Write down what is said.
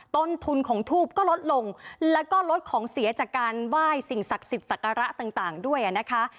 ต้นทุนของทูบก็ลดลงแล้วก็ลดของเสียจากการไหว้สิ่งศักดิ์สิทธิ์ศักระต่างด้วยนะคะ